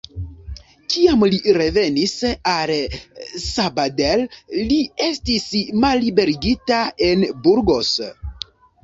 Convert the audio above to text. Kiam li revenis al Sabadell, li estis malliberigita en Burgos.